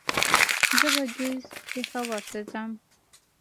زه به ګهيځ پېښور ته ځم